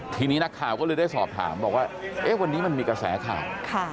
ทีนี้นักข่าวก็เลยได้สอบถามบอกว่าวันนี้มันมีกระแสข่าว